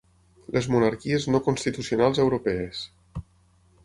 Les monarquies no constitucionals europees.